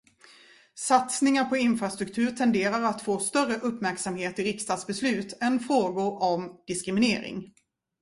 Satsningar på infrastruktur tenderar att få större uppmärksamhet i riksdagsbeslut än frågor om diskriminering.